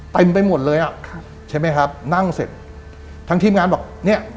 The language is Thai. เต็มไปหมดเลยอ่ะใช่ไหมครับนั่งเสร็จทั้งทีมงานบอกเนี่ย